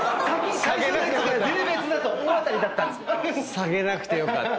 下げなくてよかった。